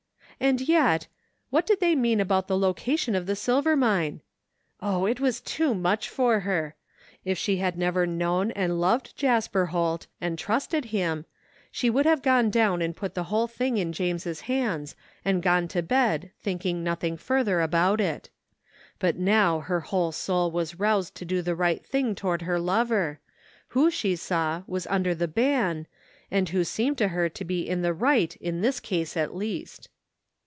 And yet — ^what did they mean about the loca tion of the silver mine ? Oh, it was too much for her ! If she had never known and loved Jasper Holt, and trusted him, she would have gone down and put the whole thing in James's hands and gone to bed think ing nothing further about it. But now her whole soul was roused to do the right thing toward her lover, who, she saw, was under the ban, and who seemed to her to be in the right in this case at least.